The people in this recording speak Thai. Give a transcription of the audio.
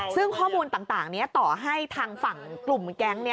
ซึ่งข้อมูลต่างนี้ต่อให้ทางฝั่งกลุ่มแก๊งนี้